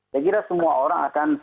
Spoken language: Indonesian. saya kira semua orang akan